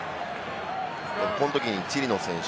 このときにチリの選手、